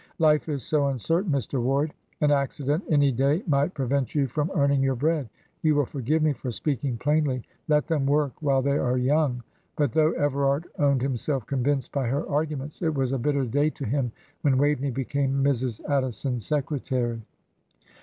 "Life is so uncertain, Mr. Ward. An accident any day might prevent you from earning your bread you will forgive me for speaking plainly. Let them work while they are young." But though Everard owned himself convinced by her arguments, it was a bitter day to him when Waveney became Mrs. Addison's secretary.